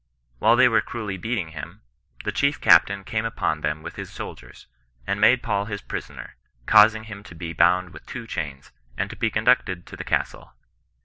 While they were cruelly beat ing him, the chief captain came upon them with his soldiers, and made Paul his prisoner, causing him to be bound with two chains, and to be conducted to the castle.